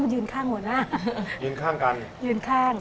ยืนข้างหัวหน้ายืนข้างกันยืนข้าง